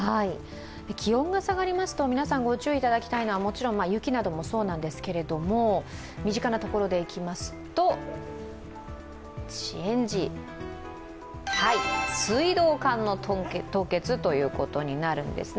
気温が下がりますと、皆さんご注意いただきたいのはもちろん、雪などもそうなんですけれども身近なところでいきますと、水道管の凍結ということになるんですね。